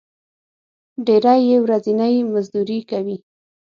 ډېری یې ورځنی مزدوري کوي.